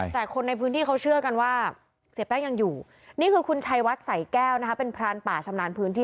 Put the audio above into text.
แต่คนในพื้นที่เขาเชื่อกันว่าเสียแป้งยังอยู่นี่คือคุณชัยวัดใส่แก้วนะคะเป็นพรานป่าชำนาญพื้นที่